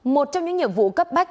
một trong những nhiệm vụ cấp bách